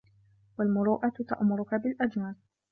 وَالْمُرُوءَةُ تَأْمُرُك بِالْأَجْمَلِ